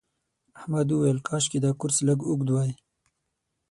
احمد وویل کاشکې دا کورس لږ اوږد وای.